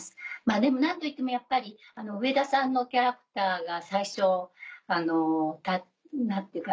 でも何といってもやっぱり上田さんのキャラクターが最初何ていうか。